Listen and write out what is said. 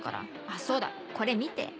あっそうだこれ見て。